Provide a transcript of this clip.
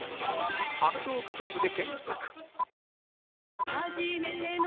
「アメトーーク ＣＬＵＢ」で検索